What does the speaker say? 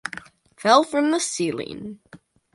Fell from the ceiling!